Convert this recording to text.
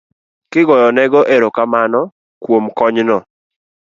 kigoyonego erokamano kuom konyno.